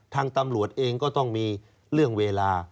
ทางตำรวจเองก็ต้องมีเรื่องเวลา